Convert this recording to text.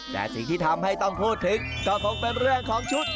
แต่สิ่งที่ทำให้ต้องพูดถึงก็คงเป็นเรื่องของชุด